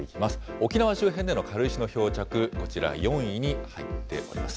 沖縄周辺での軽石の漂着、こちら４位に入っています。